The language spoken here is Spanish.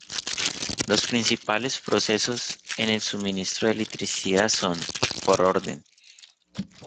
Los principales procesos en el suministro de electricidad son, por orden